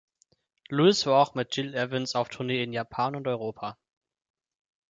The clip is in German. Lewis war auch mit Gil Evans auf Tournee in Japan und Europa.